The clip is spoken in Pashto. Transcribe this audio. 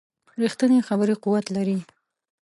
ریښتینې خبرې قوت لري